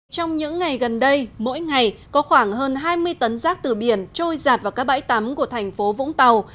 trong những ngày gần đây mỗi ngày có khoảng hơn hai mươi tấn rác từ biển trôi giạt vào các bãi tắm của thành phố vũng tàu